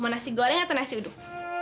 mau nasi goreng atau nasi uduk